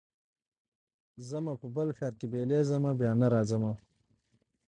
ځمه په بل ښار کي بلېږمه بیا نه راځمه